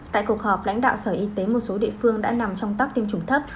tại cuộc họp lãnh đạo sở y tế một số địa phương đã nằm trong tóc tiêm chủng thấp